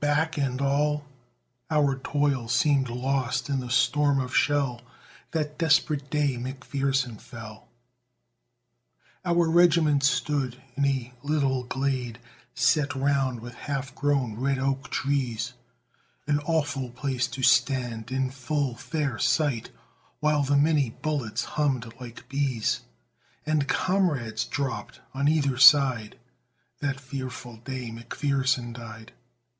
back! and all Our toil seemed lost in the storm of shell That desperate day McPherson fell! Our regiment stood in a little glade Set round with half grown red oak trees An awful place to stand, in full fair sight, While the minie bullets hummed like bees, And comrades dropped on either side That fearful day McPherson died!